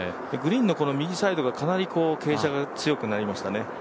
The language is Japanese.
グリーンの右サイドがかなり傾斜が強くなりましたね。